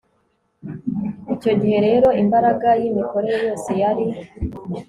Icyo gihe rero imbaraga yimikorere yose yari